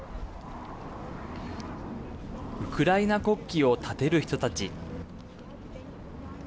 ウクライナ国旗を立てる人たち。